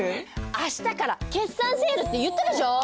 明日から決算セールって言ったでしょう！